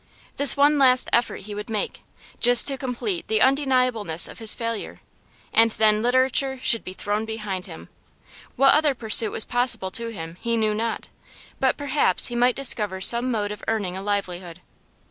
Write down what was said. This one last effort he would make, just to complete the undeniableness of his failure, and then literature should be thrown behind him; what other pursuit was possible to him he knew not, but perhaps he might discover some mode of earning a livelihood.